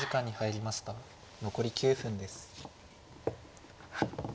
残り９分です。